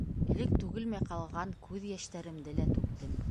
Элек түгелмәй ҡалған күҙ йәштәремде лә түктем.